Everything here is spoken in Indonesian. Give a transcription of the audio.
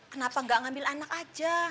kenapa gak ngambil anak aja